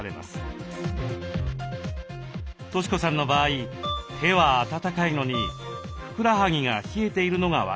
俊子さんの場合手は温かいのにふくらはぎが冷えているのが分かります。